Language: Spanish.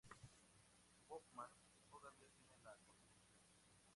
Bowman todavía tiene la constitución.